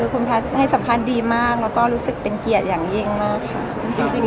คุณแพทย์ให้สัมภาษณ์ดีมากแล้วก็รู้สึกเป็นเกียรติอย่างยิ่งมากค่ะ